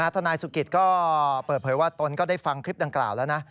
ทนายสุกิตก็เปิดเผยว่าตนก็ได้ฟังคลิปดังกล่าวแล้วนะ